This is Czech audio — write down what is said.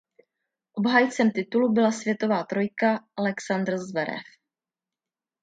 Obhájcem titulu byla světová trojka Alexander Zverev.